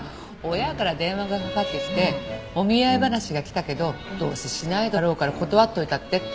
親から電話がかかってきてお見合い話が来たけどどうせしないだろうから断っといたってって。